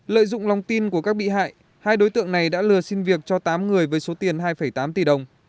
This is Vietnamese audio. lợi dụng lòng tin của các bị hại hai đối tượng này đã lừa xin việc cho tám người với số tiền hai tám tỷ đồng